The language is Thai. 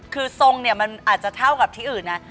คือทรงเนี่ยมันอาจจะเท่ากับที่อื่นนะ